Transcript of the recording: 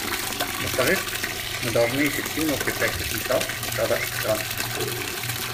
Во-вторых, мы должны эффективно укреплять потенциал пострадавших стран.